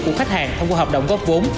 của khách hàng thông qua hợp đồng góp vốn